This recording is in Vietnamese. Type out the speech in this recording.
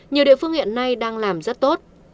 nhiều địa phương hiện nay đang làm rất tốt